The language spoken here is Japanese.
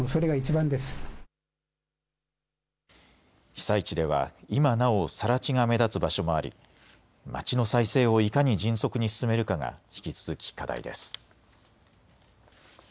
被災地では今なお、さら地が目立つ場所もあり街の再生をいかに迅速に進めるかが引き続き課題です。